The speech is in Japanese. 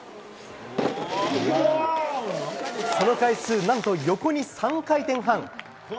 その回数、何と横に３回転半。